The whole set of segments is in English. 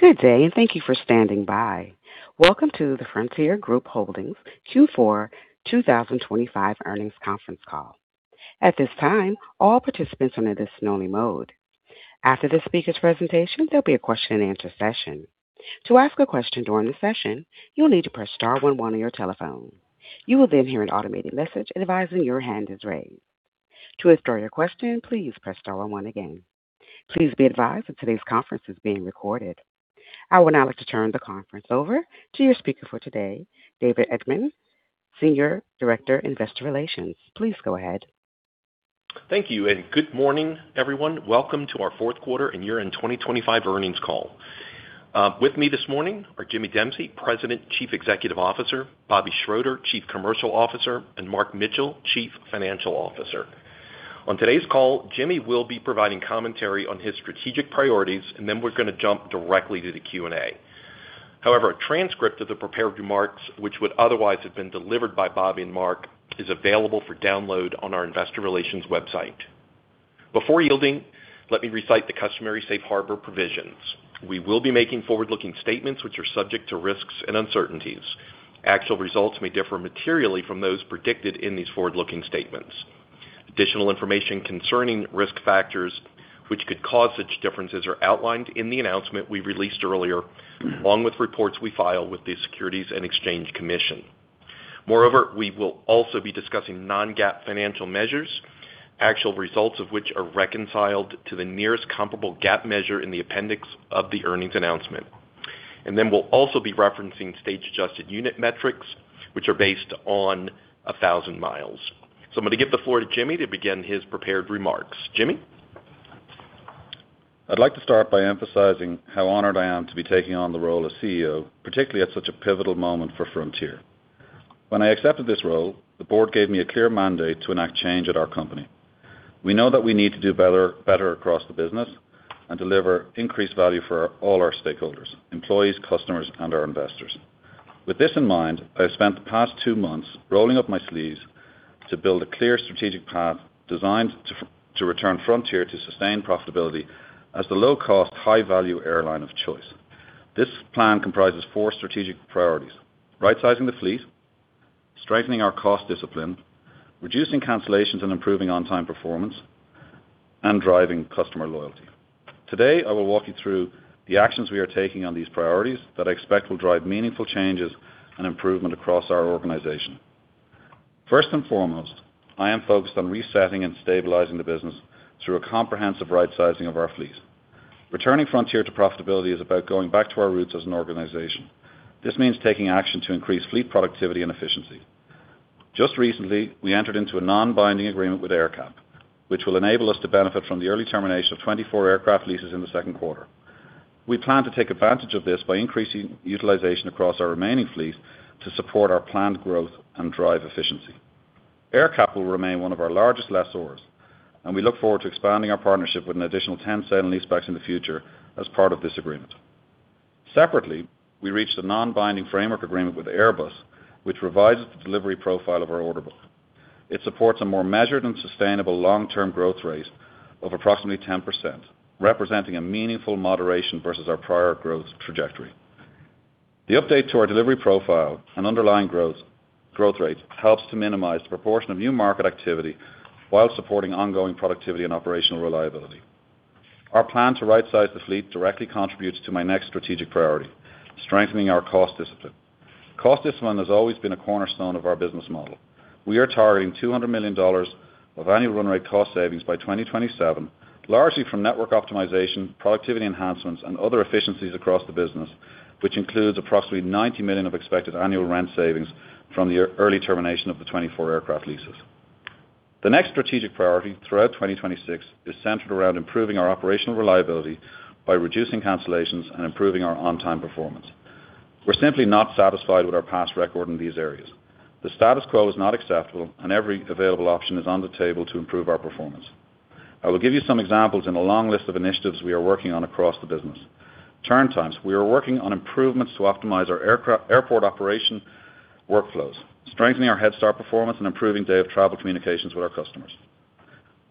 Good day, and thank you for standing by. Welcome to the Frontier Group Holdings Q4 2025 earnings conference call. At this time, all participants are in a listen-only mode. After the speaker's presentation, there'll be a question-and-answer session. To ask a question during the session, you'll need to press star one one on your telephone. You will then hear an automated message advising your hand is raised. To withdraw your question, please press star one one again. Please be advised that today's conference is being recorded. I would now like to turn the conference over to your speaker for today, David Erdman, Senior Director of Investor Relations. Please go ahead. Thank you, and good morning, everyone. Welcome to our fourth quarter and year-end 2025 earnings call. With me this morning are Jimmy Dempsey, President, Chief Executive Officer; Bobby Schroeter, Chief Commercial Officer; and Mark Mitchell, Chief Financial Officer. On today's call, Jimmy will be providing commentary on his strategic priorities, and then we're gonna jump directly to the Q&A. However, a transcript of the prepared remarks, which would otherwise have been delivered by Bobby and Mark, is available for download on our investor relations website. Before yielding, let me recite the customary safe harbor provisions. We will be making forward-looking statements which are subject to risks and uncertainties. Actual results may differ materially from those predicted in these forward-looking statements. Additional information concerning risk factors, which could cause such differences, are outlined in the announcement we released earlier, along with reports we filed with the Securities and Exchange Commission. Moreover, we will also be discussing non-GAAP financial measures, actual results of which are reconciled to the nearest comparable GAAP measure in the appendix of the earnings announcement. And then we'll also be referencing stage-adjusted unit metrics, which are based on 1,000 miles. So I'm gonna give the floor to Jimmy to begin his prepared remarks. Jimmy? I'd like to start by emphasizing how honored I am to be taking on the role of CEO, particularly at such a pivotal moment for Frontier. When I accepted this role, the board gave me a clear mandate to enact change at our company. We know that we need to do better, better across the business and deliver increased value for all our stakeholders, employees, customers, and our investors. With this in mind, I have spent the past two months rolling up my sleeves to build a clear strategic path designed to return Frontier to sustained profitability as the low-cost, high-value airline of choice. This plan comprises four strategic priorities: rightsizing the fleet, strengthening our cost discipline, reducing cancellations and improving on-time performance, and driving customer loyalty. Today, I will walk you through the actions we are taking on these priorities that I expect will drive meaningful changes and improvement across our organization. First and foremost, I am focused on resetting and stabilizing the business through a comprehensive rightsizing of our fleet. Returning Frontier to profitability is about going back to our roots as an organization. This means taking action to increase fleet productivity and efficiency. Just recently, we entered into a non-binding agreement with AerCap, which will enable us to benefit from the early termination of 24 aircraft leases in the second quarter. We plan to take advantage of this by increasing utilization across our remaining fleet to support our planned growth and drive efficiency. AerCap will remain one of our largest lessors, and we look forward to expanding our partnership with an additional 10 sale and leasebacks in the future as part of this agreement. Separately, we reached a non-binding framework agreement with Airbus, which revises the delivery profile of our order book. It supports a more measured and sustainable long-term growth rate of approximately 10%, representing a meaningful moderation versus our prior growth trajectory. The update to our delivery profile and underlying growth, growth rate helps to minimize the proportion of new market activity while supporting ongoing productivity and operational reliability. Our plan to rightsize the fleet directly contributes to my next strategic priority, strengthening our cost discipline. Cost discipline has always been a cornerstone of our business model. We are targeting $200 million of annual run rate cost savings by 2027, largely from network optimization, productivity enhancements, and other efficiencies across the business, which includes approximately $90 million of expected annual rent savings from the early termination of the 24 aircraft leases. The next strategic priority throughout 2026 is centered around improving our operational reliability by reducing cancellations and improving our on-time performance. We're simply not satisfied with our past record in these areas. The status quo is not acceptable, and every available option is on the table to improve our performance. I will give you some examples in a long list of initiatives we are working on across the business. Turn times. We are working on improvements to optimize our airport operation workflows, strengthening our head start performance, and improving day-of-travel communications with our customers.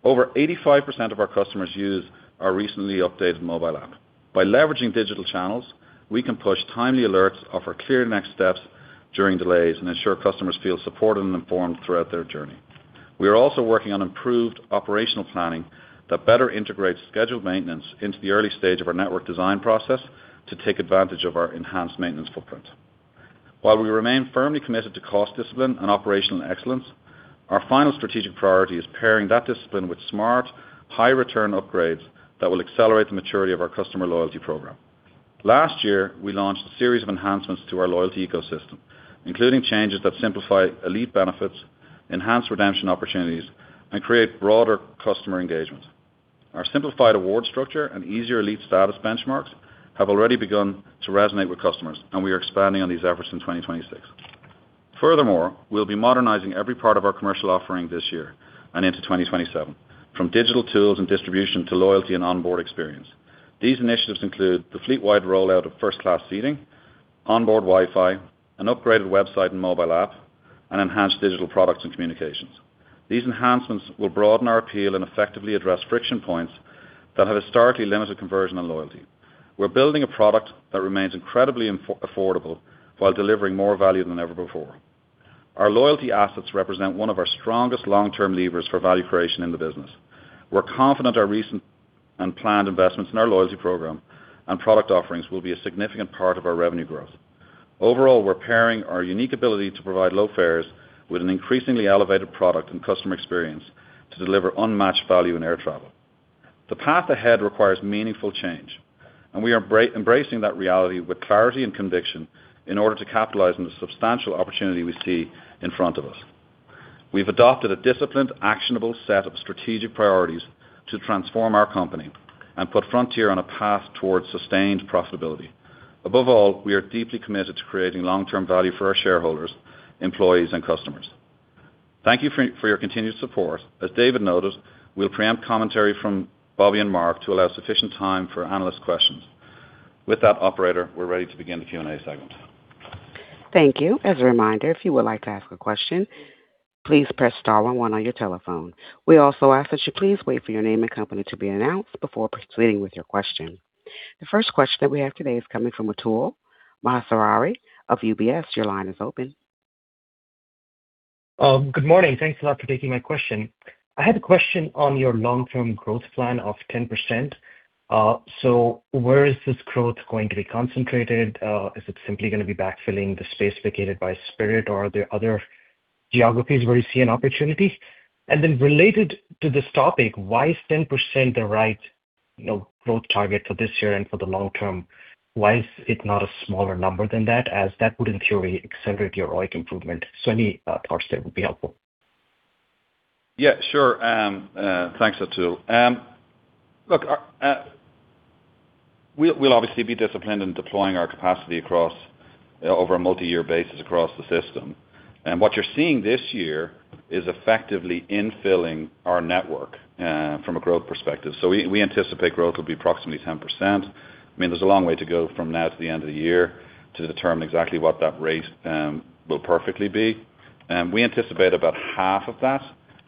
Over 85% of our customers use our recently updated mobile app. By leveraging digital channels, we can push timely alerts, offer clear next steps during delays, and ensure customers feel supported and informed throughout their journey. We are also working on improved operational planning that better integrates scheduled maintenance into the early stage of our network design process to take advantage of our enhanced maintenance footprint. While we remain firmly committed to cost discipline and operational excellence, our final strategic priority is pairing that discipline with smart, high-return upgrades that will accelerate the maturity of our customer loyalty program. Last year, we launched a series of enhancements to our loyalty ecosystem, including changes that simplify elite benefits, enhance redemption opportunities, and create broader customer engagement. Our simplified award structure and easier elite status benchmarks have already begun to resonate with customers, and we are expanding on these efforts in 2026. Furthermore, we'll be modernizing every part of our commercial offering this year and into 2027, from digital tools and distribution to loyalty and onboard experience. These initiatives include the fleet-wide rollout of first-class seating onboard Wi-Fi, an upgraded website and mobile app, and enhanced digital products and communications. These enhancements will broaden our appeal and effectively address friction points that have historically limited conversion and loyalty. We're building a product that remains incredibly affordable while delivering more value than ever before. Our loyalty assets represent one of our strongest long-term levers for value creation in the business. We're confident our recent and planned investments in our loyalty program and product offerings will be a significant part of our revenue growth. Overall, we're pairing our unique ability to provide low fares with an increasingly elevated product and customer experience to deliver unmatched value in air travel. The path ahead requires meaningful change, and we are embracing that reality with clarity and conviction in order to capitalize on the substantial opportunity we see in front of us. We've adopted a disciplined, actionable set of strategic priorities to transform our company and put Frontier on a path towards sustained profitability. Above all, we are deeply committed to creating long-term value for our shareholders, employees, and customers. Thank you for your continued support. As David noted, we'll preempt commentary from Bobby and Mark to allow sufficient time for analyst questions. With that, operator, we're ready to begin the Q&A segment. Thank you. As a reminder, if you would like to ask a question, please press star one on your telephone. We also ask that you please wait for your name and company to be announced before proceeding with your question. The first question that we have today is coming from Atul Maheswari of UBS. Your line is open. Good morning. Thanks a lot for taking my question. I had a question on your long-term growth plan of 10%. So where is this growth going to be concentrated? Is it simply going to be backfilling the space vacated by Spirit, or are there other geographies where you see an opportunity? And then related to this topic, why is 10% the right, you know, growth target for this year and for the long term? Why is it not a smaller number than that, as that would, in theory, accelerate your ROI improvement? So any thoughts there would be helpful. Yeah, sure. Thanks, Atul. Look, we'll obviously be disciplined in deploying our capacity across over a multiyear basis across the system. What you're seeing this year is effectively infilling our network from a growth perspective. So we anticipate growth will be approximately 10%. I mean, there's a long way to go from now to the end of the year to determine exactly what that rate will perfectly be. We anticipate about half of that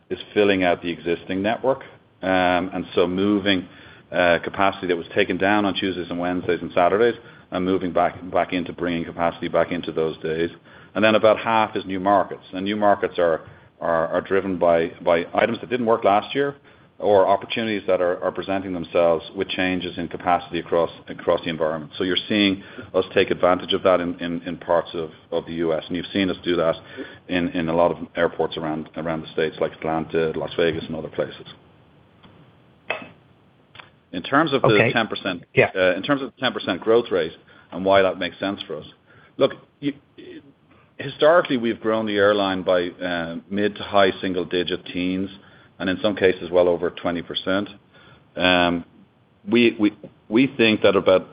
is filling out the existing network. And so moving capacity that was taken down on Tuesdays and Wednesdays and Saturdays, and moving back into bringing capacity back into those days. And then about half is new markets, and new markets are driven by items that didn't work last year or opportunities that are presenting themselves with changes in capacity across the environment. So you're seeing us take advantage of that in parts of the U.S., and you've seen us do that in a lot of airports around the States, like Atlanta, Las Vegas, and other places. In terms of the- Okay. 10%. Yeah. In terms of the 10% growth rate and why that makes sense for us. Look, historically, we've grown the airline by mid to high single digit teens, and in some cases, well over 20%. We think that about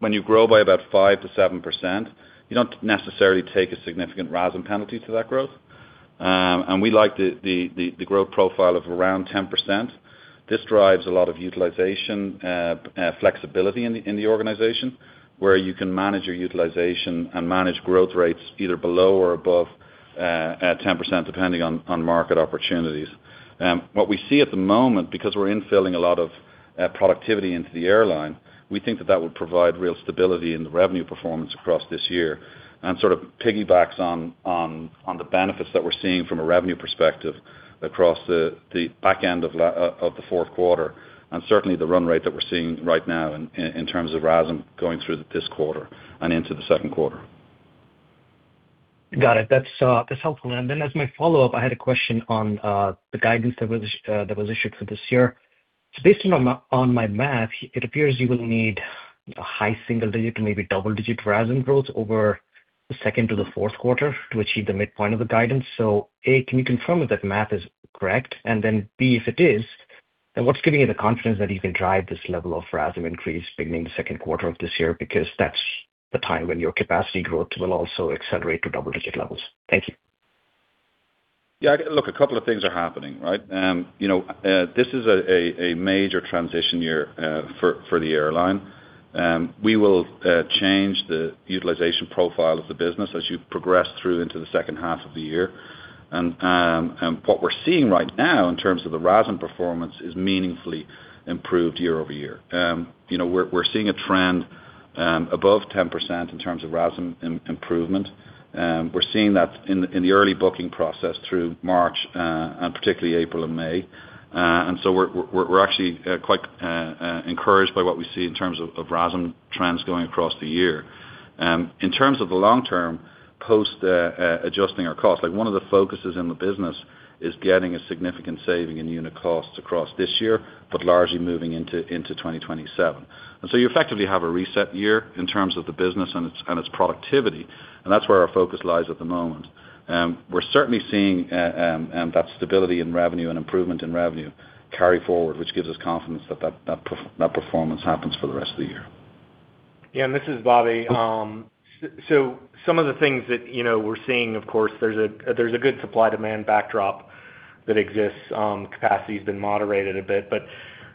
when you grow by about 5%-7%, you don't necessarily take a significant RASM penalty to that growth. And we like the growth profile of around 10%. This drives a lot of utilization, flexibility in the organization, where you can manage your utilization and manage growth rates either below or above 10%, depending on market opportunities. What we see at the moment, because we're infilling a lot of productivity into the airline, we think that that would provide real stability in the revenue performance across this year and sort of piggybacks on the benefits that we're seeing from a revenue perspective across the back end of the fourth quarter, and certainly the run rate that we're seeing right now in terms of RASM going through this quarter and into the second quarter. Got it. That's, that's helpful. And then as my follow-up, I had a question on, the guidance that was, that was issued for this year. So based on my, on my math, it appears you will need a high single digit to maybe double digit RASM growth over the second to the fourth quarter to achieve the midpoint of the guidance. So A, can you confirm if that math is correct? And then B, if it is, then what's giving you the confidence that you can drive this level of RASM increase beginning the second quarter of this year? Because that's the time when your capacity growth will also accelerate to double-digit levels. Thank you. Yeah, look, a couple of things are happening, right? You know, this is a major transition year for the airline. We will change the utilization profile of the business as you progress through into the second half of the year. And what we're seeing right now in terms of the RASM performance is meaningfully improved year-over-year. You know, we're seeing a trend above 10% in terms of RASM improvement. We're seeing that in the early booking process through March, and particularly April and May. And so we're actually quite encouraged by what we see in terms of RASM trends going across the year. In terms of the long term, post adjusting our costs, like one of the focuses in the business is getting a significant saving in unit costs across this year, but largely moving into 2027. So you effectively have a reset year in terms of the business and its productivity, and that's where our focus lies at the moment. We're certainly seeing that stability in revenue and improvement in revenue carry forward, which gives us confidence that performance happens for the rest of the year. Yeah, and this is Bobby. So some of the things that, you know, we're seeing, of course, there's a good supply-demand backdrop. That exists, capacity's been moderated a bit. But,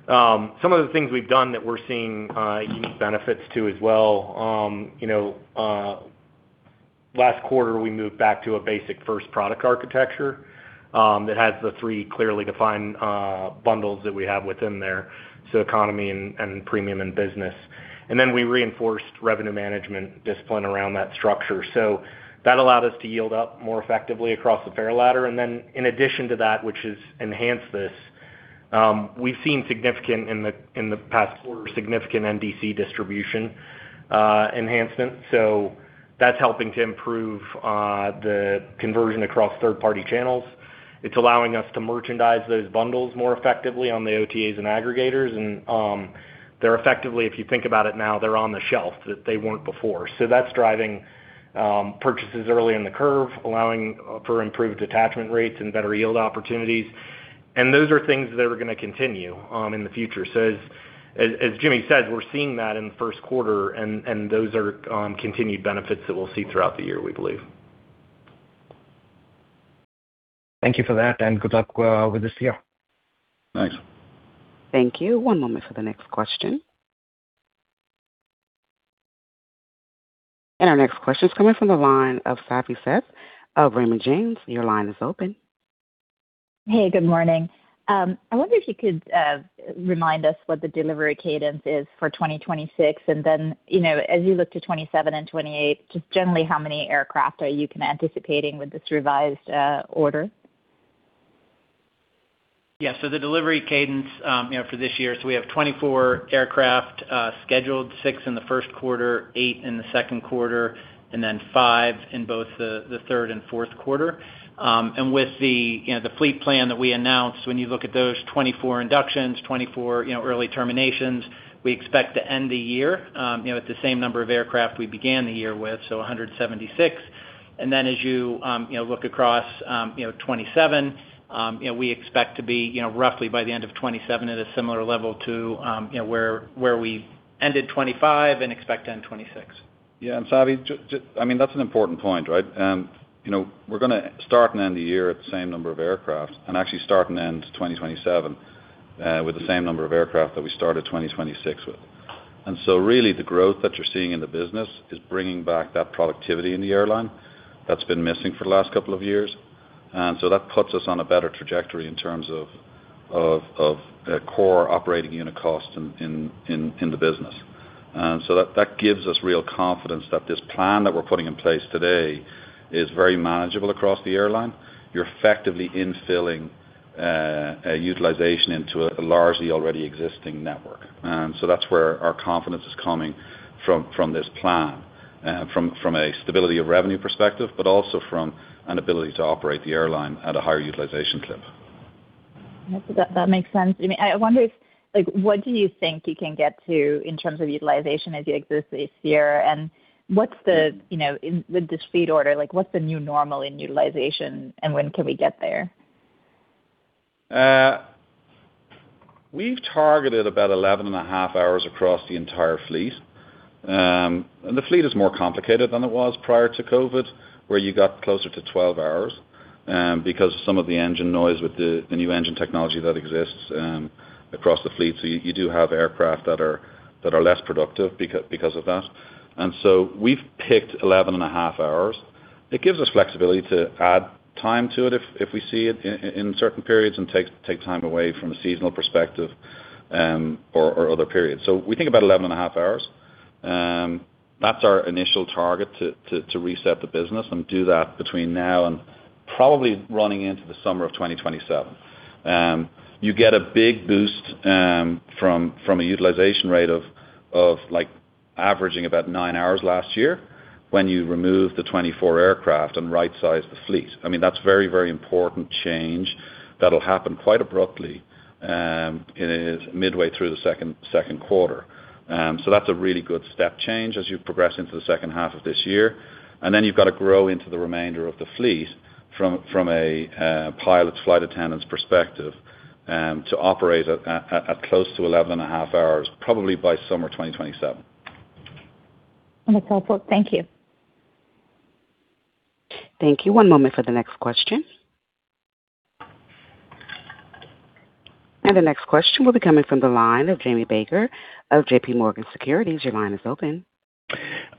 some of the things we've done that we're seeing, unique benefits to as well, you know, last quarter, we moved back to a basic first product architecture, that has the three clearly defined, bundles that we have within there, so economy and premium and business. And then we reinforced revenue management discipline around that structure. So that allowed us to yield up more effectively across the fare ladder. And then in addition to that, which has enhanced this, we've seen significant in the past quarter, significant NDC distribution enhancement. So that's helping to improve the conversion across third-party channels. It's allowing us to merchandise those bundles more effectively on the OTAs and aggregators, and they're effectively, if you think about it now, they're on the shelf, that they weren't before. So that's driving purchases early in the curve, allowing for improved attachment rates and better yield opportunities. And those are things that are gonna continue in the future. So as Jimmy said, we're seeing that in the first quarter, and those are continued benefits that we'll see throughout the year, we believe. Thank you for that, and good luck with this year. Thanks. Thank you. One moment for the next question. And our next question is coming from the line of Savi Syth of Raymond James. Your line is open. Hey, good morning. I wonder if you could remind us what the delivery cadence is for 2026, and then, you know, as you look to 2027 and 2028, just generally, how many aircraft are you kind anticipating with this revised order? Yeah, so the delivery cadence, you know, for this year, so we have 24 aircraft scheduled, six in the first quarter, eight in the second quarter, and then five in both the, the third and fourth quarter. And with the, you know, the fleet plan that we announced, when you look at those 24 inductions, 24, you know, early terminations, we expect to end the year, you know, with the same number of aircraft we began the year with, so 176. And then as you, you know, look across, you know, 2027, you know, we expect to be, you know, roughly by the end of 2027 at a similar level to, you know, where, where we ended 2025 and expect to end 2026. Yeah, and Savi, I mean, that's an important point, right? You know, we're gonna start and end the year at the same number of aircraft, and actually start and end 2027 with the same number of aircraft that we started 2026 with. And so really, the growth that you're seeing in the business is bringing back that productivity in the airline that's been missing for the last couple of years. And so that puts us on a better trajectory in terms of core operating unit costs in the business. And so that gives us real confidence that this plan that we're putting in place today is very manageable across the airline. You're effectively infilling a utilization into a largely already existing network. So that's where our confidence is coming from, from this plan, from a stability of revenue perspective, but also from an ability to operate the airline at a higher utilization clip. That makes sense. I mean, I wonder if, like, what do you think you can get to in terms of utilization as you exit this year? And what's the, you know, in—with this fleet order, like, what's the new normal in utilization, and when can we get there? We've targeted about 11.5 hours across the entire fleet. And the fleet is more complicated than it was prior to COVID, where you got closer to 12 hours, because of some of the engine noise with the, the new engine technology that exists, across the fleet. So you, you do have aircraft that are, that are less productive because of that. And so we've picked 11.5 hours. It gives us flexibility to add time to it if, if we see it in certain periods and take time away from a seasonal perspective, or, or other periods. So we think about 11.5 hours. That's our initial target to reset the business and do that between now and probably running into the summer of 2027. You get a big boost from a utilization rate of like averaging about 9 hours last year when you remove the 24 aircraft and right-size the fleet. I mean, that's a very, very important change that'll happen quite abruptly. It is midway through the second quarter. So that's a really good step change as you progress into the second half of this year. And then you've got to grow into the remainder of the fleet from a pilot, flight attendants perspective to operate at close to 11.5 hours, probably by summer 2027. That's helpful. Thank you. Thank you. One moment for the next question. The next question will be coming from the line of Jamie Baker of JPMorgan Securities. Your line is open.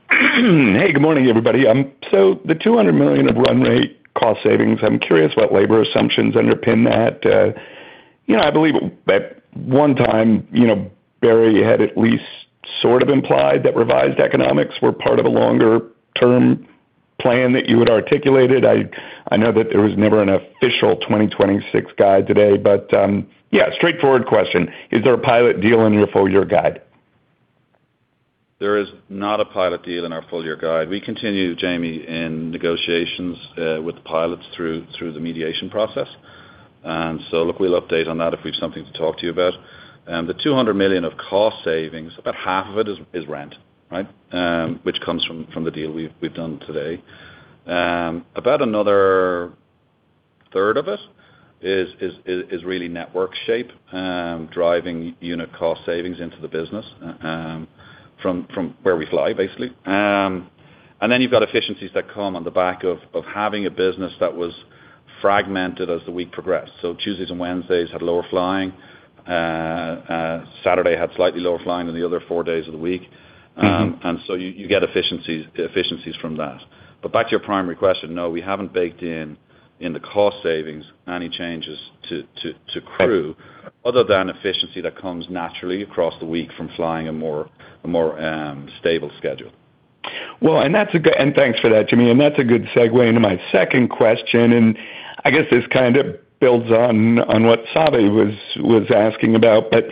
Hey, good morning, everybody. So the $200 million of run rate cost savings, I'm curious what labor assumptions underpin that. You know, I believe at one time, you know, Barry had at least sort of implied that revised economics were part of a longer-term plan that you had articulated. I, I know that there was never an official 2026 guide today, but, yeah, straightforward question: Is there a pilot deal in your full year guide? There is not a pilot deal in our full year guide. We continue, Jamie, in negotiations with the pilots through the mediation process. And so look, we'll update on that if we have something to talk to you about. The $200 million of cost savings, about half of it is rent, right? Which comes from the deal we've done today. About another third of it is really network shape, driving unit cost savings into the business from where we fly, basically. And then you've got efficiencies that come on the back of having a business that was fragmented as the week progressed. So Tuesdays and Wednesdays had lower flying. Saturday had slightly lower flying than the other four days of the week. And so you get efficiencies from that. But back to your primary question, no, we haven't baked in the cost savings any changes to crew other than efficiency that comes naturally across the week from flying a more stable schedule. Well, and that's a good-- and thanks for that, Jimmy, and that's a good segue into my second question, and I guess this kind of builds on, on what Savi was, was asking about. But,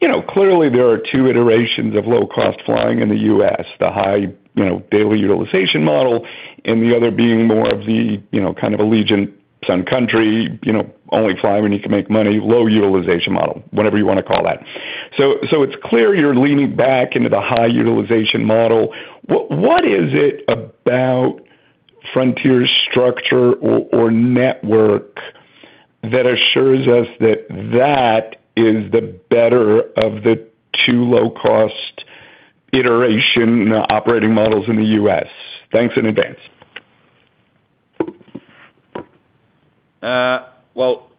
you know, clearly there are two iterations of low-cost flying in the U.S. The high, you know, daily utilization model, and the other being more of the, you know, kind of Allegiant Sun Country, you know, only fly when you can make money, low utilization model, whatever you want to call that. So, so it's clear you're leaning back into the high utilization model. What, what is it about Frontier's structure or, or network that assures us that that is the better of the two low-cost iteration operating models in the U.S.? Thanks in advance. Well,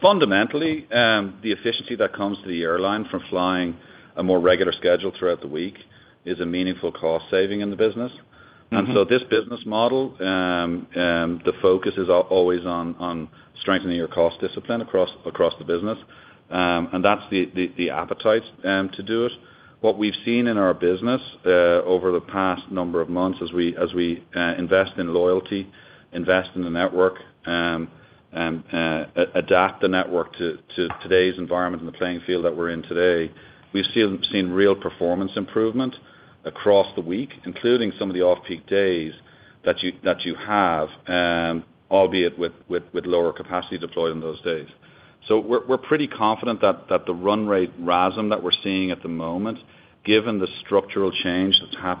fundamentally, the efficiency that comes to the airline from flying a more regular schedule throughout the week is a meaningful cost saving in the business. Mm-hmm. This business model, the focus is always on strengthening your cost discipline across the business. That's the appetite to do it. What we've seen in our business over the past number of months as we invest in loyalty, invest in the network, and adapt the network to today's environment and the playing field that we're in today, we've seen real performance improvement across the week, including some of the off-peak days that you have, albeit with lower capacity deployed on those days. So we're pretty confident that the run rate RASM that we're seeing at the moment, given the structural change that has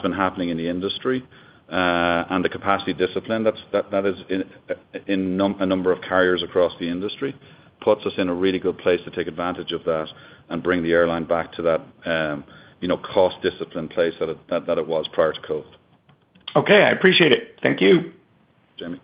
been happening in the industry, and the capacity discipline that is in a number of carriers across the industry, puts us in a really good place to take advantage of that and bring the airline back to that, you know, cost discipline place that it was prior to COVID. Okay, I appreciate it. Thank you. Jimmy.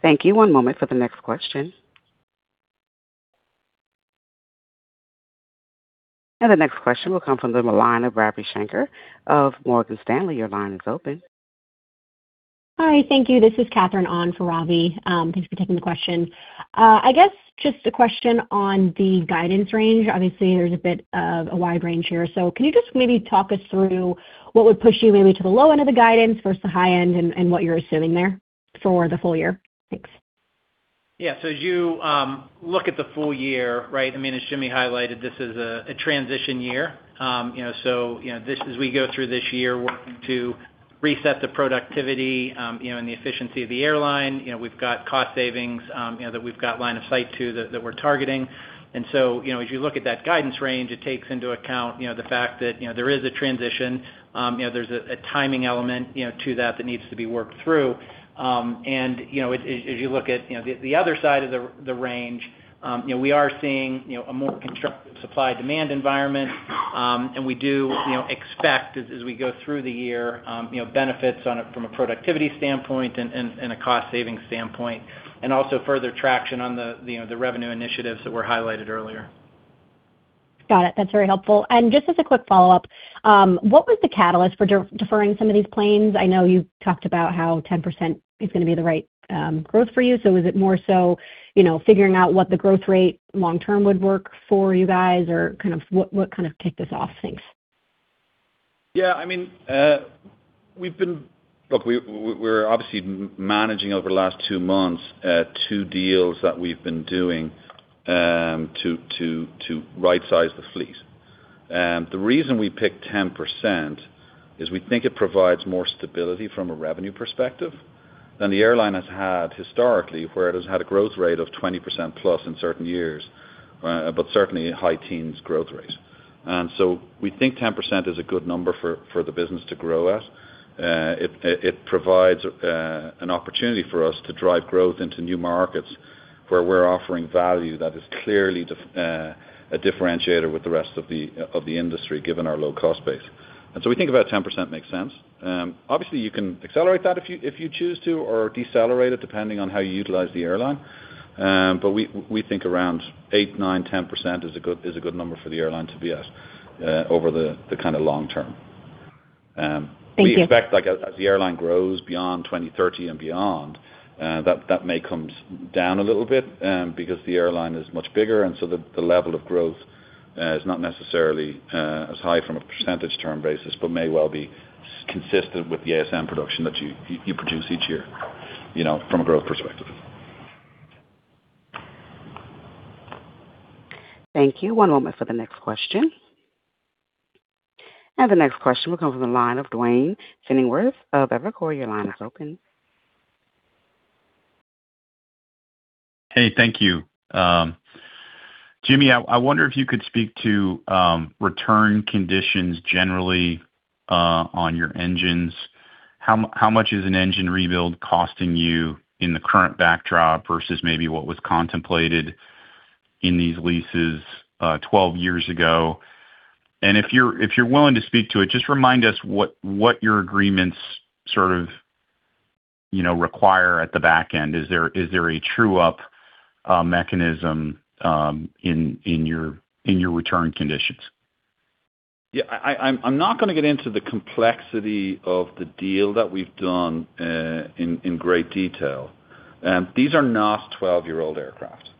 Thank you. One moment for the next question. The next question will come from the line of Ravi Shanker of Morgan Stanley. Your line is open. Hi, thank you. This is Katherine on for Ravi. Thanks for taking the question. I guess just a question on the guidance range. Obviously, there's a bit of a wide range here. So can you just maybe talk us through what would push you maybe to the low end of the guidance versus the high end and, and what you're assuming there for the full year? Thanks. Yeah. So as you look at the full year, right? I mean, as Jimmy highlighted, this is a transition year. You know, so, you know, this as we go through this year, working to reset the productivity, you know, and the efficiency of the airline, you know, we've got cost savings, you know, that we've got line of sight to, that we're targeting. And so, you know, as you look at that guidance range, it takes into account, you know, the fact that, you know, there is a transition, you know, there's a timing element, you know, to that that needs to be worked through. And, you know, as you look at, you know, the other side of the range, you know, we are seeing, you know, a more constructive supply-demand environment. We do, you know, expect as we go through the year, you know, benefits from a productivity standpoint and a cost savings standpoint, and also further traction on the, you know, the revenue initiatives that were highlighted earlier. Got it. That's very helpful. And just as a quick follow-up, what was the catalyst for deferring some of these planes? I know you've talked about how 10% is going to be the right, growth for you. So was it more so, you know, figuring out what the growth rate long term would work for you guys, or kind of what kind of kicked this off? Thanks. Yeah, I mean, we've been. Look, we're obviously managing over the last two months, two deals that we've been doing, to rightsize the fleet. The reason we picked 10% is we think it provides more stability from a revenue perspective than the airline has had historically, where it has had a growth rate of 20%+ in certain years, but certainly a high teens growth rate. And so we think 10% is a good number for the business to grow at. It provides an opportunity for us to drive growth into new markets where we're offering value that is clearly a differentiator with the rest of the industry, given our low-cost base. And so we think 10% makes sense. Obviously, you can accelerate that if you, if you choose to or decelerate it, depending on how you utilize the airline. But we, we think around 8, 9, 10% is a good, is a good number for the airline to be at, over the, the kind of long term. Thank you. We expect, like, as the airline grows beyond 2030 and beyond, that may come down a little bit, because the airline is much bigger, and so the level of growth is not necessarily as high from a percentage term basis, but may well be consistent with the ASM production that you produce each year, you know, from a growth perspective. Thank you. One moment for the next question. The next question will come from the line of Duane Pfennigwerth of Evercore. Your line is open. Hey, thank you. Jimmy, I wonder if you could speak to return conditions generally on your engines. How much is an engine rebuild costing you in the current backdrop versus maybe what was contemplated in these leases 12 years ago? And if you're willing to speak to it, just remind us what your agreements sort of, you know, require at the back end. Is there a true-up mechanism in your return conditions? Yeah, I'm not going to get into the complexity of the deal that we've done in great detail. These are not 12-year-old aircraft.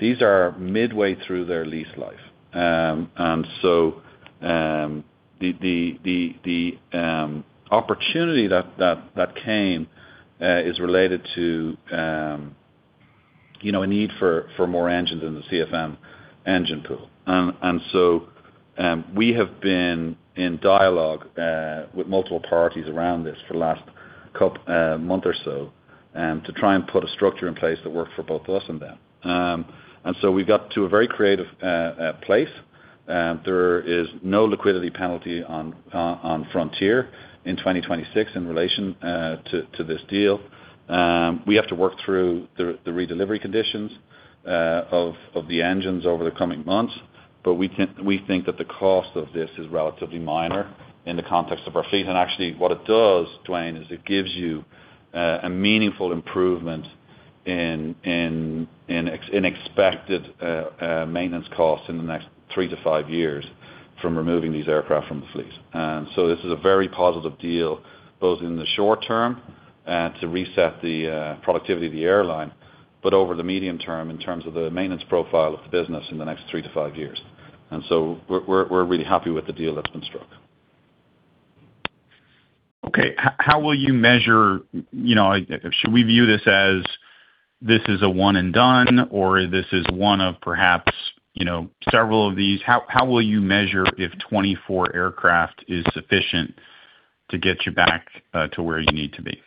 These are midway through their lease life. And so, the opportunity that came is related to, you know, a need for more engines in the CFM engine pool. And so, we have been in dialogue with multiple parties around this for the last month or so, to try and put a structure in place that worked for both us and them. And so we got to a very creative place. There is no liquidity penalty on Frontier in 2026 in relation to this deal. We have to work through the redelivery conditions of the engines over the coming months, but we think that the cost of this is relatively minor in the context of our fleet. And actually, what it does, Duane, is it gives you a meaningful improvement in expected maintenance costs in the next 3-5 years from removing these aircraft from the fleet. And so this is a very positive deal, both in the short term to reset the productivity of the airline, but over the medium term, in terms of the maintenance profile of the business in the next three to five years. And so we're really happy with the deal that's been struck. Okay. How will you measure, you know, should we view this as this is a one and done, or this is one of perhaps, you know, several of these? How, how will you measure if 24 aircraft is sufficient to get you back to where you need to be?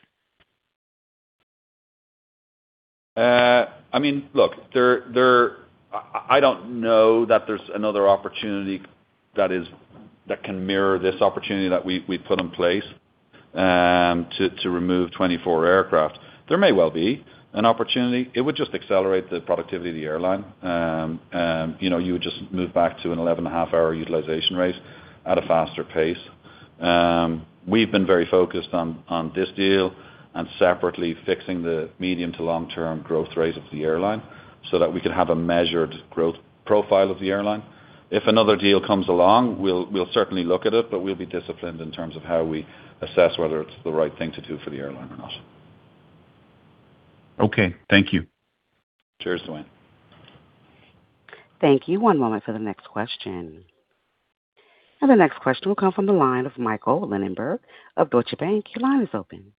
I mean, look, there—I don't know that there's another opportunity that can mirror this opportunity that we've put in place, to remove 24 aircraft. There may well be an opportunity. It would just accelerate the productivity of the airline. You know, you would just move back to an 11.5-hour utilization rate at a faster pace. We've been very focused on this deal and separately fixing the medium- to long-term growth rate of the airline so that we can have a measured growth profile of the airline. If another deal comes along, we'll certainly look at it, but we'll be disciplined in terms of how we assess whether it's the right thing to do for the airline or not. Okay, thank you. Cheers, Duane. Thank you. One moment for the next question. The next question will come from the line of Michael Linenberg of Deutsche Bank. Your line is open.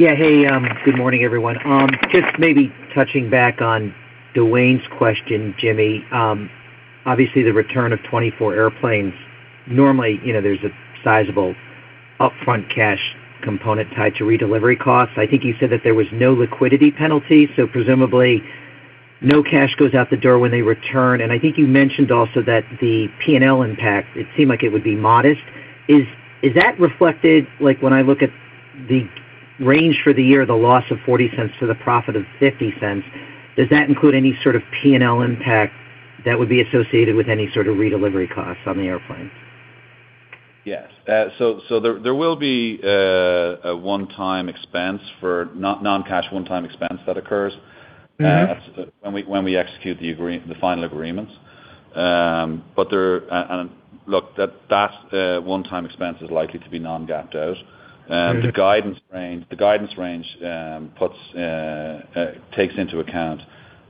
Yeah. Hey, good morning, everyone. Just maybe touching back on Duane's question, Jimmy. Obviously, the return of 24 airplanes, normally, you know, there's a sizable upfront cash component tied to redelivery costs. I think you said that there was no liquidity penalty, so presumably no cash goes out the door when they return. And I think you mentioned also that the P&L impact, it seemed like it would be modest. Is that reflected, like, when I look at the range for the year, the loss of $0.40 to the profit of $0.50, does that include any sort of P&L impact that would be associated with any sort of redelivery costs on the airplane? Yes. So there will be a one-time expense for... non-cash, one-time expense that occurs when we execute the final agreements. But there, and look, that one-time expense is likely to be non-GAAPed out. Mm-hmm. The guidance range takes into account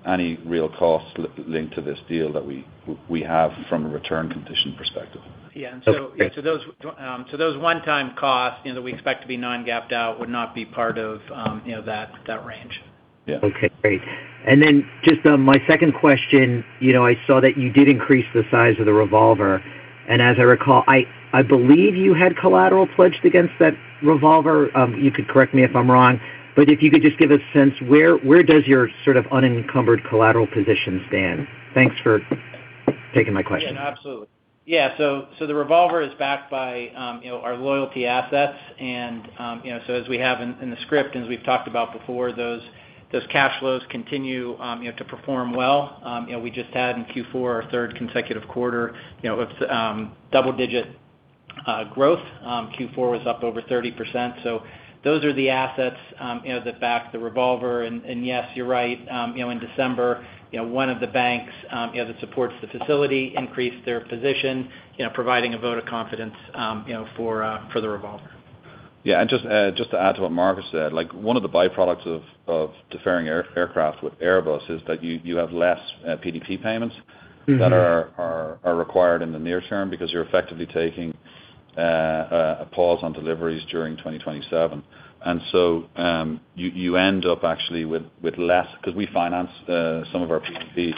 any real costs linked to this deal that we have from a return condition perspective. Yeah. Okay, great. And so those one-time costs, you know, that we expect to be non-GAAPed out would not be part of, you know, that range. Yeah. Okay, great. And then just, my second question, you know, I saw that you did increase the size of the revolver, and as I recall, I believe you had collateral pledged against that revolver. You could correct me if I'm wrong, but if you could just give a sense, where does your sort of unencumbered collateral position stand? Thanks for taking my question. Yeah, absolutely. Yeah, so the revolver is backed by, you know, our loyalty assets. And, you know, so as we have in the script, as we've talked about before, those cash flows continue, you know, to perform well. You know, we just had in Q4, our third consecutive quarter, you know, double digit growth. Q4 was up over 30%. So those are the assets, you know, that back the revolver. And yes, you're right. You know, in December, you know, one of the banks, you know, that supports the facility increased their position, you know, providing a vote of confidence, you know, for the revolver. Yeah, and just, just to add to what Mark said, like one of the byproducts of deferring aircraft with Airbus is that you have less PDP payments that are required in the near term because you're effectively taking a pause on deliveries during 2027. And so, you end up actually with less, because we finance some of our PDP.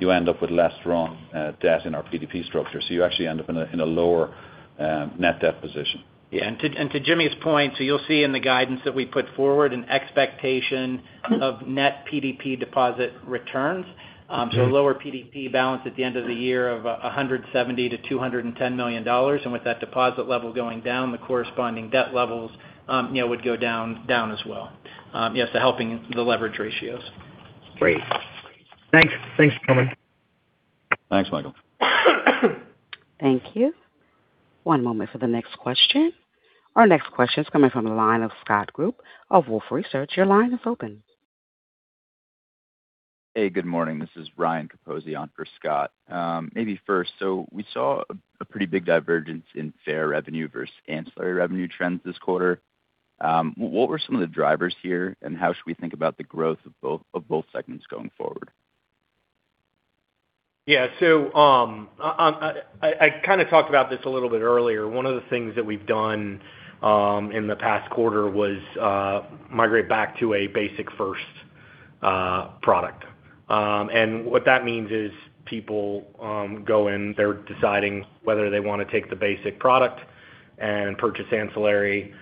You end up with less wrong debt in our PDP structure. So you actually end up in a lower net debt position. Yeah, and to Jimmy's point, so you'll see in the guidance that we put forward an expectation of net PDP deposit returns. So a lower PDP balance at the end of the year of $170 million-$210 million. And with that deposit level going down, the corresponding debt levels, you know, would go down as well. Yes, to helping the leverage ratios. Great. Thanks. Thanks for coming. Thanks, Michael. Thank you. One moment for the next question. Our next question is coming from the line of Scott Group of Wolfe Research. Your line is open. Hey, good morning. This is Ryan Capozzi on for Scott. Maybe first, so we saw a pretty big divergence in fare revenue versus ancillary revenue trends this quarter. What were some of the drivers here, and how should we think about the growth of both, of both segments going forward? Yeah, so, I kind of talked about this a little bit earlier. One of the things that we've done in the past quarter was migrate back to a basic first product. And what that means is people go in, they're deciding whether they want to take the basic product and purchase ancillary,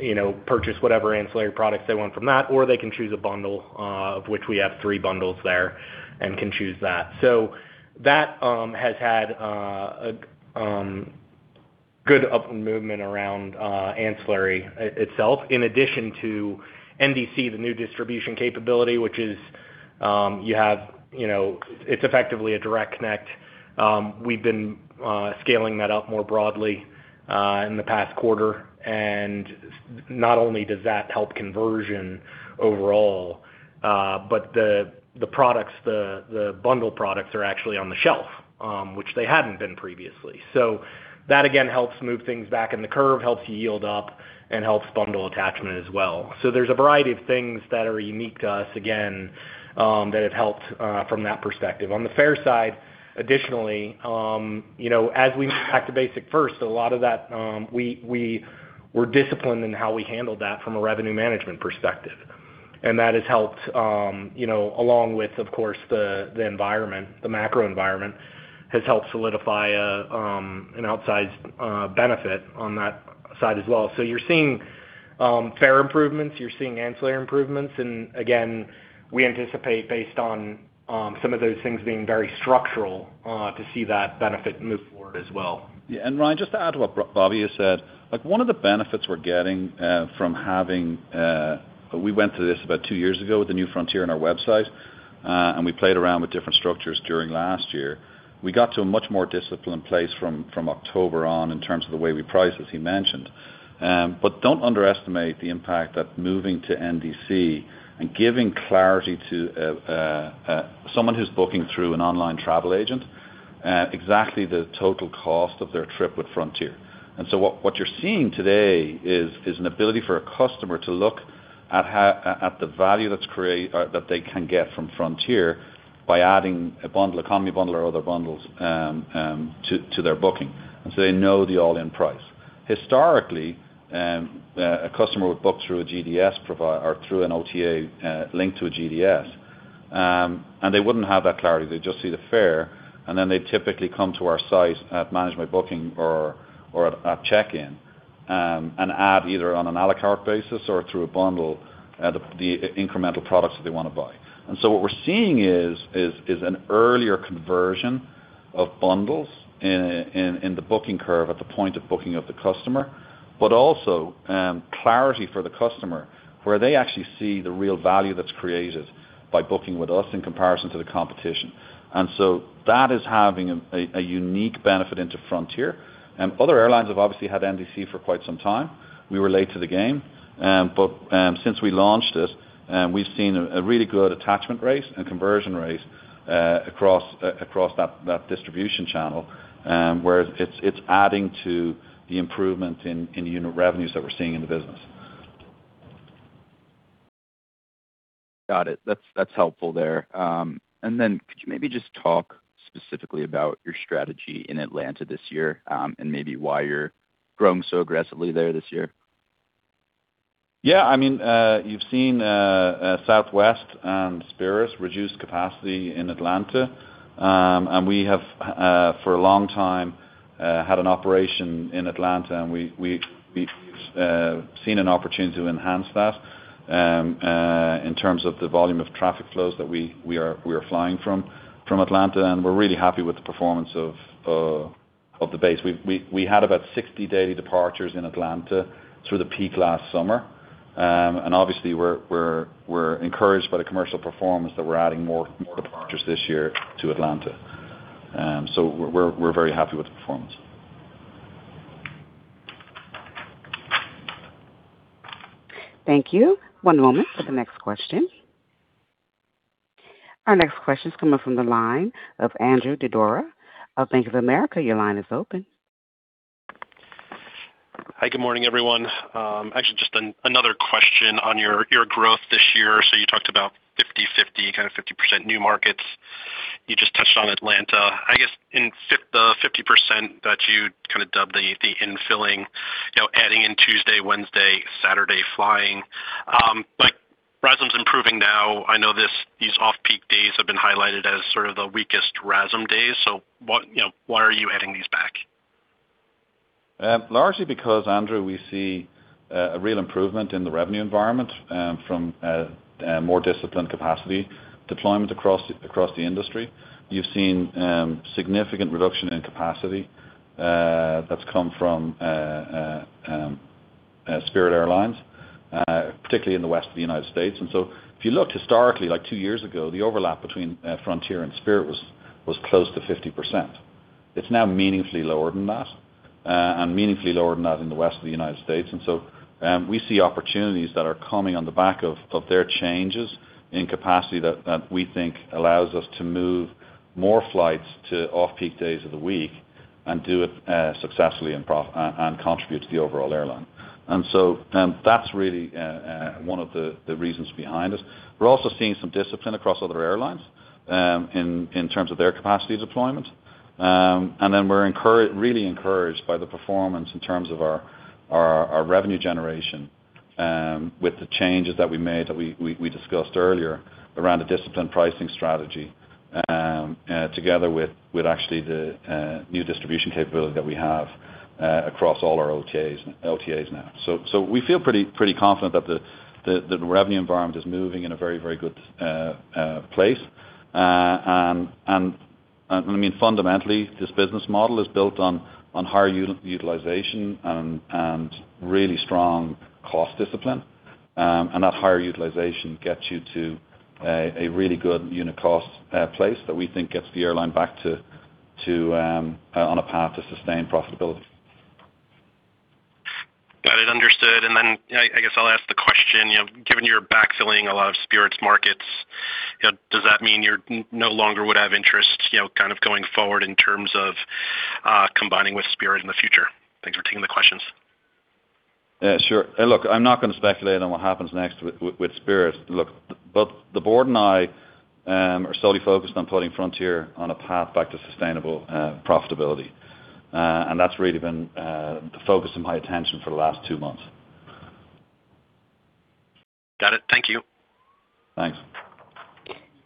you know, purchase whatever ancillary products they want from that, or they can choose a bundle of which we have three bundles there, and can choose that. So that has had a good upward movement around ancillary itself, in addition to NDC, the New Distribution Capability, which is, you have, you know, it's effectively a direct connect. We've been scaling that up more broadly in the past quarter, and not only does that help conversion overall, but the products, the bundle products are actually on the shelf, which they hadn't been previously. So that, again, helps move things back in the curve, helps yield up and helps bundle attachment as well. So there's a variety of things that are unique to us, again, that have helped from that perspective. On the fare side, additionally, you know, as we move back to basic first, a lot of that, we're disciplined in how we handle that from a revenue management perspective. And that has helped, you know, along with, of course, the environment, the macro environment, has helped solidify an outsized benefit on that side as well. So you're seeing fare improvements, you're seeing ancillary improvements, and again, we anticipate based on some of those things being very structural to see that benefit move forward as well. Yeah, and Ryan, just to add to what Bobby has said, like one of the benefits we're getting from having we went through this about two years ago with the New Frontier on our website, and we played around with different structures during last year. We got to a much more disciplined place from October on in terms of the way we price, as he mentioned. But don't underestimate the impact that moving to NDC and giving clarity to someone who's booking through an online travel agent exactly the total cost of their trip with Frontier. What you're seeing today is an ability for a customer to look at the value that they can get from Frontier by adding a bundle, economy bundle or other bundles to their booking, and so they know the all-in price. Historically, a customer would book through a GDS provider or through an OTA linked to a GDS, and they wouldn't have that clarity. They'd just see the fare, and then they'd typically come to our site at Manage My Booking or at check-in, and add either on an à la carte basis or through a bundle the incremental products that they want to buy. What we're seeing is an earlier conversion of bundles in the booking curve at the point of booking of the customer, but also clarity for the customer, where they actually see the real value that's created by booking with us in comparison to the competition. And so that is having a unique benefit into Frontier. Other airlines have obviously had NDC for quite some time. We were late to the game, but since we launched it, we've seen a really good attachment rates and conversion rates across that distribution channel, where it's adding to the improvement in the unit revenues that we're seeing in the business. Got it. That's helpful there. And then could you maybe just talk specifically about your strategy in Atlanta this year, and maybe why you're growing so aggressively there this year? Yeah, I mean, you've seen Southwest and Spirit reduce capacity in Atlanta. And we have for a long time had an operation in Atlanta, and we've seen an opportunity to enhance that in terms of the volume of traffic flows that we are flying from Atlanta, and we're really happy with the performance of the base. We had about 60 daily departures in Atlanta through the peak last summer. And obviously, we're encouraged by the commercial performance that we're adding more departures this year to Atlanta. So we're very happy with the performance. Thank you. One moment for the next question. Our next question is coming from the line of Andrew Didora of Bank of America. Your line is open. Hi, good morning, everyone. Actually, just another question on your growth this year. So you talked about 50/50, kind of 50% new markets you just touched on Atlanta. I guess it's the 50% that you kind of dubbed the infilling, you know, adding in Tuesday, Wednesday, Saturday flying, but RASM is improving now. I know these off-peak days have been highlighted as sort of the weakest RASM days. So what, you know, why are you adding these back? Largely because, Andrew, we see a real improvement in the revenue environment from more disciplined capacity deployment across the industry. You've seen significant reduction in capacity that's come from Spirit Airlines, particularly in the West of the United States. And so if you looked historically, like two years ago, the overlap between Frontier and Spirit was close to 50%. It's now meaningfully lower than that, and meaningfully lower than that in the West of the United States. And so we see opportunities that are coming on the back of their changes in capacity that we think allows us to move more flights to off-peak days of the week and do it successfully and contribute to the overall airline. And so, that's really one of the reasons behind it. We're also seeing some discipline across other airlines in terms of their capacity deployment. And then we're really encouraged by the performance in terms of our revenue generation with the changes that we made that we discussed earlier around a disciplined pricing strategy, together with actually the new distribution capability that we have across all our OTAs and LTAs now. So we feel pretty confident that the revenue environment is moving in a very good place. And I mean, fundamentally, this business model is built on higher utilization and really strong cost discipline. And that higher utilization gets you to a really good unit cost place that we think gets the airline back on a path to sustain profitability. Got it, understood. Then, I guess I'll ask the question, you know, given you're backfilling a lot of Spirit's markets, you know, does that mean you're no longer would have interest, you know, kind of going forward in terms of combining with Spirit in the future? Thanks for taking the questions. Yeah, sure. Look, I'm not going to speculate on what happens next with Spirit. Look, both the board and I are solely focused on putting Frontier on a path back to sustainable profitability. And that's really been the focus of my attention for the last two months. Got it. Thank you. Thanks.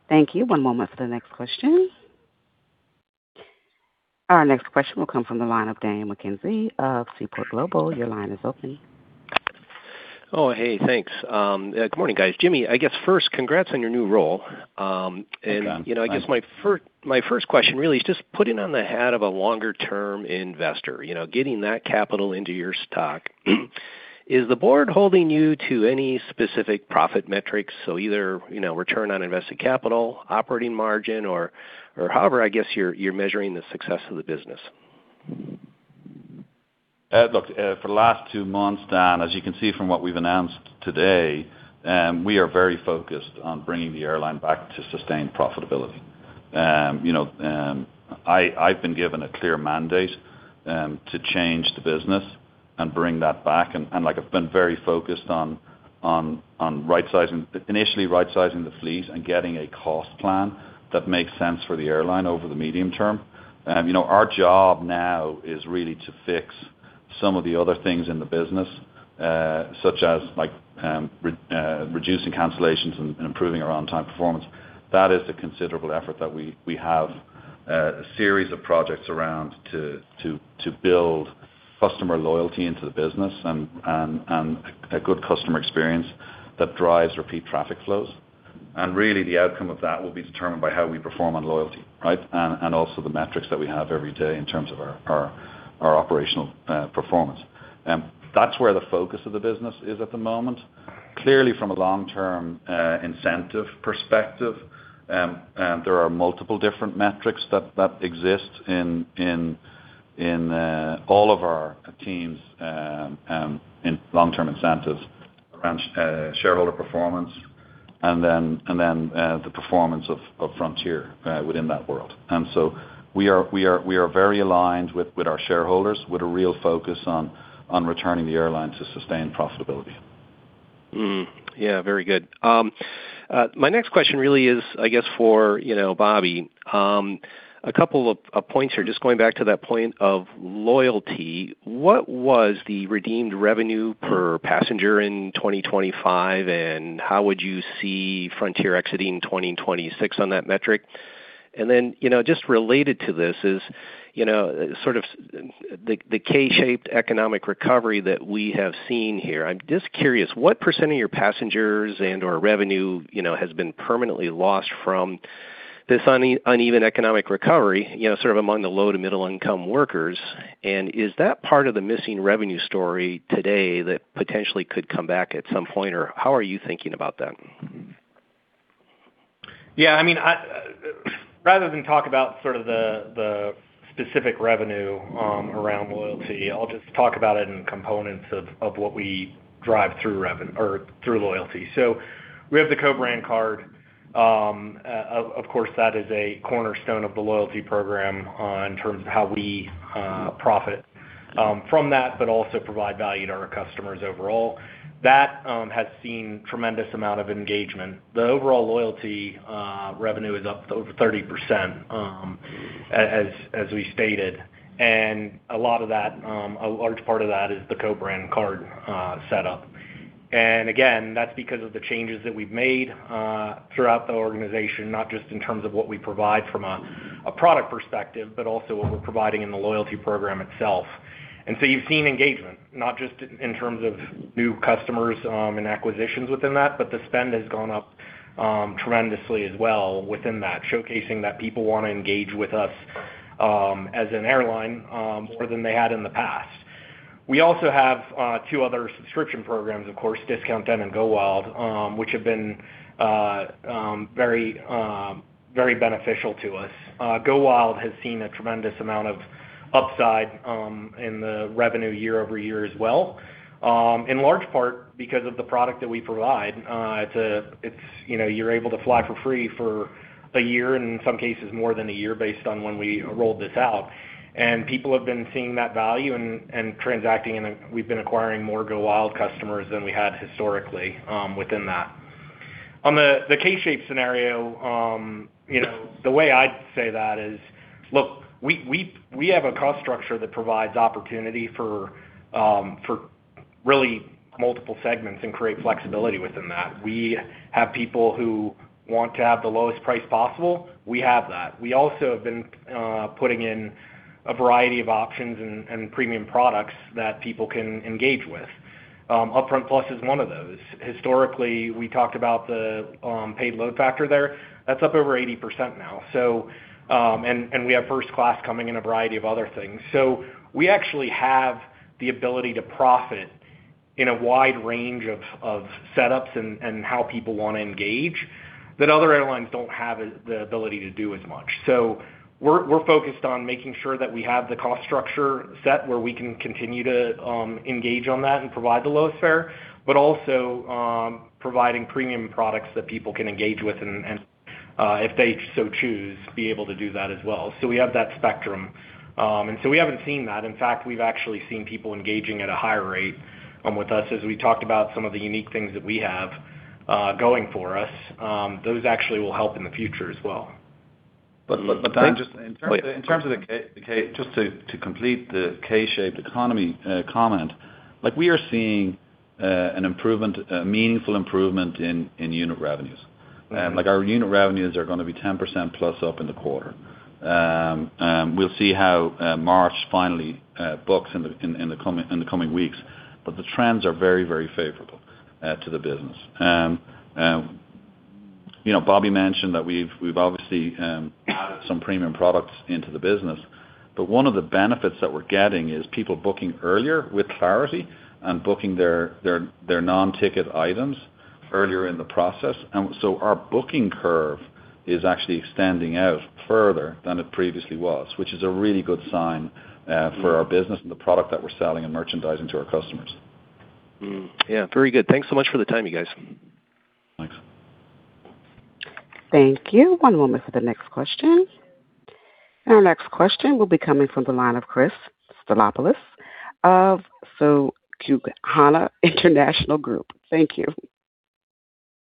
Thank you. One moment for the next question. Our next question will come from the line of Daniel McKenzie of Seaport Global. Your line is open. Oh, hey, thanks. Good morning, guys. Jimmy, I guess first, congrats on your new role. Thank you. You know, I guess my first question really is just putting on the hat of a longer-term investor, you know, getting that capital into your stock, is the board holding you to any specific profit metrics? So either, you know, return on invested capital, operating margin, or however, I guess you're measuring the success of the business. Look, for the last two months, Dan, as you can see from what we've announced today, we are very focused on bringing the airline back to sustained profitability. You know, I, I've been given a clear mandate, to change the business and bring that back. And like, I've been very focused on right-sizing - initially, right-sizing the fleet and getting a cost plan that makes sense for the airline over the medium term. You know, our job now is really to fix some of the other things in the business, such as, like, reducing cancellations and improving our on-time performance. That is a considerable effort that we have a series of projects around to build customer loyalty into the business and a good customer experience that drives repeat traffic flows. Really, the outcome of that will be determined by how we perform on loyalty, right? And also the metrics that we have every day in terms of our operational performance. That's where the focus of the business is at the moment. Clearly, from a long-term incentive perspective, and there are multiple different metrics that exist in all of our teams in long-term incentives around shareholder performance and then the performance of Frontier within that world. And so we are very aligned with our shareholders, with a real focus on returning the airline to sustained profitability. Mm-hmm. Yeah, very good. My next question really is, I guess, for, you know, Bobby. A couple of points here. Just going back to that point of loyalty, what was the redeemed revenue per passenger in 2025, and how would you see Frontier exiting 2026 on that metric? And then, you know, just related to this is, you know, sort of the K-shaped economic recovery that we have seen here. I'm just curious, what % of your passengers and/or revenue, you know, has been permanently lost from this uneven economic recovery, you know, sort of among the low to middle-income workers? And is that part of the missing revenue story today that potentially could come back at some point, or how are you thinking about that? Yeah, I mean, rather than talk about sort of the specific revenue around loyalty, I'll just talk about it in components of what we drive through loyalty. So we have the co-brand card. Of course, that is a cornerstone of the loyalty program, in terms of how we profit from that, but also provide value to our customers overall. That has seen a tremendous amount of engagement. The overall loyalty revenue is up over 30%, as we stated, and a lot of that, a large part of that is the co-brand card setup. And again, that's because of the changes that we've made throughout the organization, not just in terms of what we provide from a product perspective, but also what we're providing in the loyalty program itself. And so you've seen engagement, not just in terms of new customers and acquisitions within that, but the spend has gone up tremendously as well within that, showcasing that people want to engage with us as an airline more than they had in the past. We also have two other subscription programs, of course, Discount Den and GoWild, which have been very, very beneficial to us. GoWild has seen a tremendous amount of upside in the revenue year-over-year as well, in large part because of the product that we provide. It's, you know, you're able to fly for free for a year, in some cases more than a year, based on when we rolled this out. And people have been seeing that value and transacting, and we've been acquiring more GoWild customers than we had historically within that. On the K-shaped scenario, you know, the way I'd say that is, look, we have a cost structure that provides opportunity for really multiple segments and create flexibility within that. We have people who want to have the lowest price possible. We have that. We also have been putting in a variety of options and premium products that people can engage with. UpFront Plus is one of those. Historically, we talked about the paid load factor there. That's up over 80% now, so. We have first class coming in a variety of other things. So we actually have the ability to profit in a wide range of setups and how people want to engage, that other airlines don't have the ability to do as much. So we're focused on making sure that we have the cost structure set, where we can continue to engage on that and provide the lowest fare, but also providing premium products that people can engage with and if they so choose, be able to do that as well. So we have that spectrum. And so we haven't seen that. In fact, we've actually seen people engaging at a higher rate with us, as we talked about some of the unique things that we have going for us. Those actually will help in the future as well. But just in terms of the K-shaped economy comment, like, we are seeing an improvement, a meaningful improvement in unit revenues. Like, our unit revenues are going to be 10% plus up in the quarter. We'll see how March finally books in the coming weeks, but the trends are very favorable to the business. You know, Bobby mentioned that we've obviously added some premium products into the business, but one of the benefits that we're getting is people booking earlier with clarity and booking their non-ticket items earlier in the process. Our booking curve is actually extending out further than it previously was, which is a really good sign for our business and the product that we're selling and merchandising to our customers. Mm-hmm. Yeah, very good. Thanks so much for the time, you guys. Thanks. Thank you. One moment for the next question. Our next question will be coming from the line of Chris Christopher N. Stathoulopoulos of Susquehanna International Group. Thank you.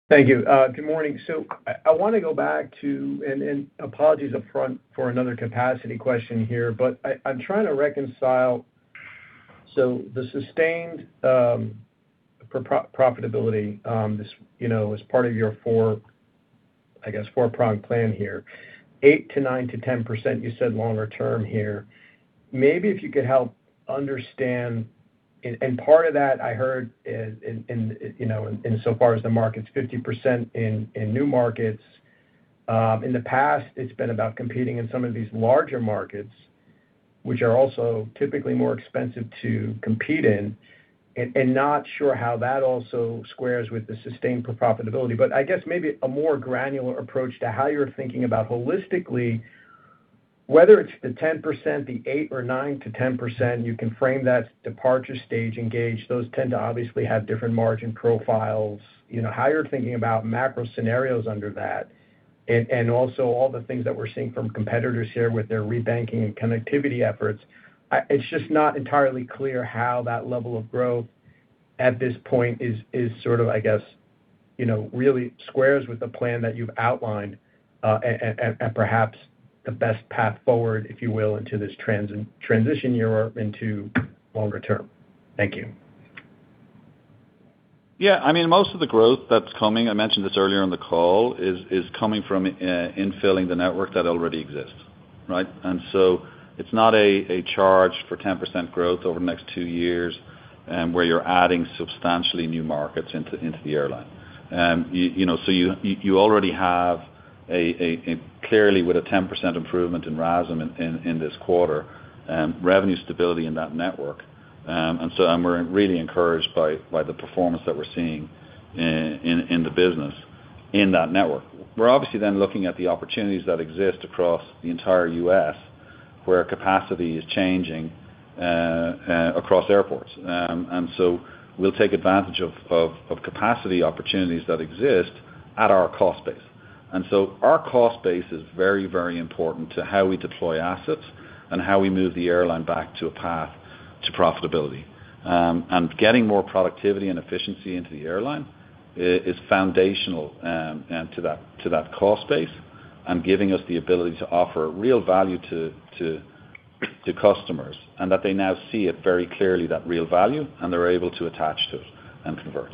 Thank you. Good morning. So I want to go back to apologies upfront for another capacity question here, but I'm trying to reconcile. So the sustained pro-profitability, this, you know, as part of your four, I guess, four-pronged plan here, 8% to 9% to 10% you said longer term here. Maybe if you could help understand-- part of that I heard in, you know, insofar as the market's 50% in new markets. In the past, it's been about competing in some of these larger markets, which are also typically more expensive to compete in, and not sure how that also squares with the sustained profitability. But I guess maybe a more granular approach to how you're thinking about holistically, whether it's the 10%, the 8%-10%, you can frame that departure, stage, guage. Those tend to obviously have different margin profiles, you know, how you're thinking about macro scenarios under that, and also all the things that we're seeing from competitors here with their re-banking and connectivity efforts. It's just not entirely clear how that level of growth at this point is sort of, I guess, you know, really squares with the plan that you've outlined, and perhaps the best path forward, if you will, into this transition year or into longer term. Thank you. Yeah, I mean, most of the growth that's coming, I mentioned this earlier in the call, is coming from in filling the network that already exists, right? And so it's not a charge for 10% growth over the next two years, where you're adding substantially new markets into the airline. You know, so you already have a clearly with a 10% improvement in RASM in this quarter, revenue stability in that network. And so we're really encouraged by the performance that we're seeing in the business in that network. We're obviously then looking at the opportunities that exist across the entire U.S., where capacity is changing across airports. And so we'll take advantage of capacity opportunities that exist at our cost base. Our cost base is very, very important to how we deploy assets and how we move the airline back to a path to profitability. Getting more productivity and efficiency into the airline is foundational to that cost base, and giving us the ability to offer real value to customers, and that they now see it very clearly, that real value, and they're able to attach to it and convert.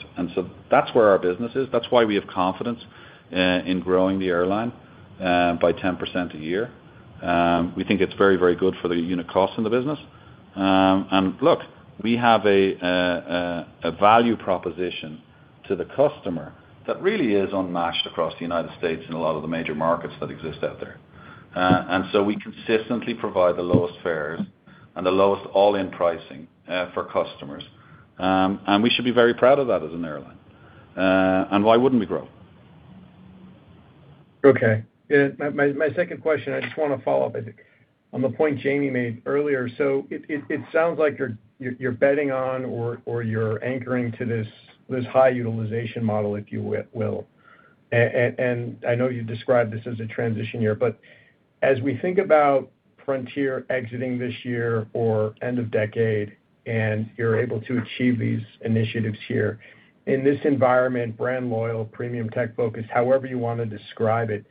That's where our business is. That's why we have confidence in growing the airline by 10% a year. We think it's very, very good for the unit cost in the business. Look, we have a value proposition to the customer that really is unmatched across the United States in a lot of the major markets that exist out there. We consistently provide the lowest fares and the lowest all-in pricing for customers. We should be very proud of that as an airline. Why wouldn't we grow? Okay. Yeah, my second question, I just want to follow up on the point Jamie made earlier. So it sounds like you're betting on or you're anchoring to this high utilization model, if you will. I know you described this as a transition year, but as we think about Frontier exiting this year or end of decade, and you're able to achieve these initiatives here, in this environment, brand loyal, premium tech focus, however you want to describe it,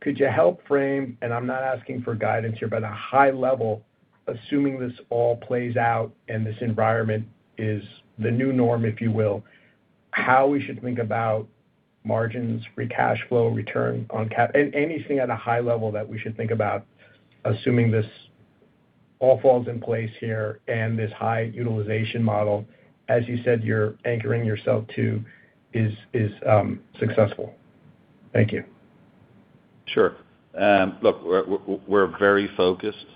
could you help frame, and I'm not asking for guidance here, but a high level, assuming this all plays out and this environment is the new norm, if you will, how we should think about margins, free cash flow, return on cap- anything at a high level that we should think about, assuming this all falls in place here and this high utilization model, as you said, you're anchoring yourself to, is successful? Thank you. Sure. Look, we're very focused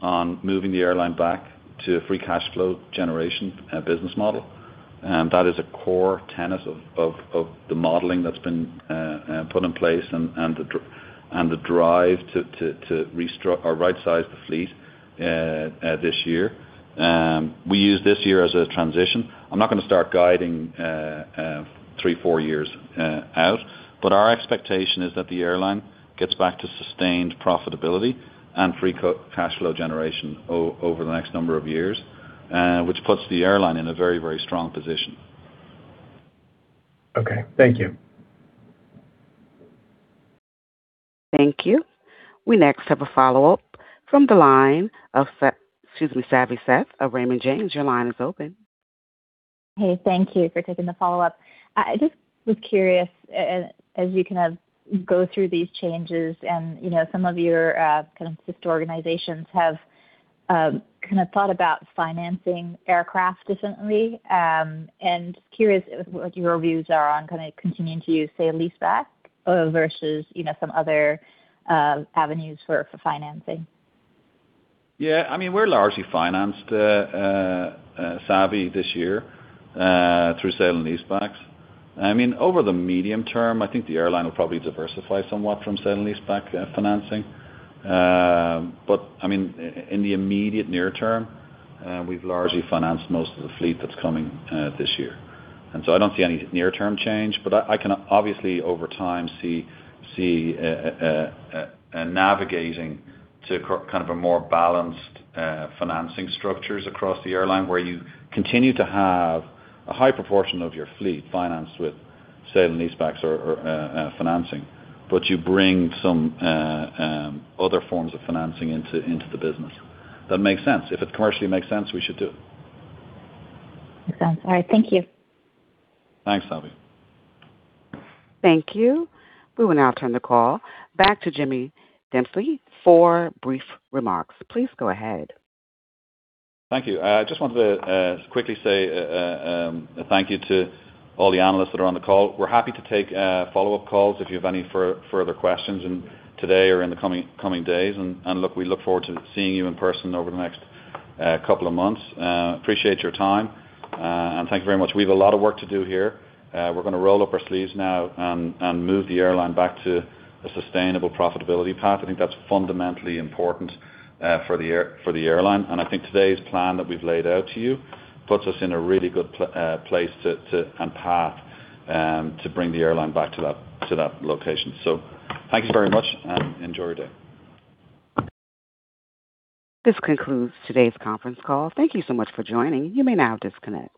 on moving the airline back to a free cash flow generation business model. And that is a core tenet of the modeling that's been put in place and the drive to rightsize the fleet this year. We use this year as a transition. I'm not going to start guiding three, four years out, but our expectation is that the airline gets back to sustained profitability and free cash flow generation over the next number of years, which puts the airline in a very, very strong position. Okay. Thank you. Thank you. We next have a follow-up from the line of Savi Syth of Raymond James. Your line is open. Hey, thank you for taking the follow-up. I just was curious, as you kind of go through these changes and, you know, some of your kind of sister organizations have kind of thought about financing aircraft differently, and curious what your views are on kind of continuing to use, say, a leaseback versus, you know, some other avenues for financing. Yeah, I mean, we're largely financed, Savi, this year, through sale and leasebacks. I mean, over the medium term, I think the airline will probably diversify somewhat from sale and leaseback financing. But I mean, in the immediate near term, we've largely financed most of the fleet that's coming this year. And so I don't see any near-term change, but I can obviously, over time, see a navigating to kind of a more balanced financing structures across the airline, where you continue to have a high proportion of your fleet financed with sale and leasebacks or financing, but you bring some other forms of financing into the business. That makes sense. If it commercially makes sense, we should do it. Makes sense. All right. Thank you. Thanks, Savi. Thank you. We will now turn the call back to Jimmy Dempsey for brief remarks. Please go ahead. Thank you. I just wanted to quickly say a thank you to all the analysts that are on the call. We're happy to take follow-up calls if you have any further questions today or in the coming days. Look, we look forward to seeing you in person over the next couple of months. Appreciate your time and thank you very much. We have a lot of work to do here. We're going to roll up our sleeves now and move the airline back to a sustainable profitability path. I think that's fundamentally important for the airline, and I think today's plan that we've laid out to you puts us in a really good place and path to bring the airline back to that location. Thank you very much, and enjoy your day. This concludes today's conference call. Thank you so much for joining. You may now disconnect.